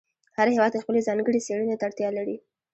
هر هېواد خپلې ځانګړې څېړنې ته اړتیا لري.